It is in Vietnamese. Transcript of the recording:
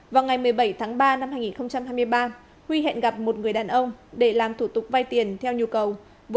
vào ngày một mươi bảy tháng ba năm hai nghìn hai mươi ba huy hẹn gặp một người đàn ông để làm thủ tục vay tiền theo nhu cầu